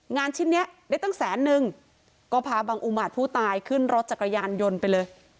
ชิ้นนี้ได้ตั้งแสนนึงก็พาบังอุมาตรผู้ตายขึ้นรถจักรยานยนต์ไปเลย